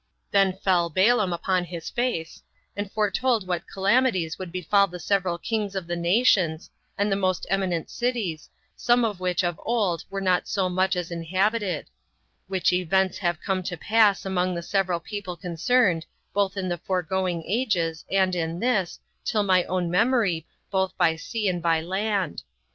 9 Then fell Balaam upon his face, and foretold what calamities would befall the several kings of the nations, and the most eminent cities, some of which of old were not so much as inhabited; which events have come to pass among the several people concerned, both in the foregoing ages, and in this, till my own memory, both by sea and by land.